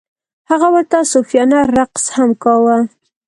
هغه ورته صوفیانه رقص هم کاوه.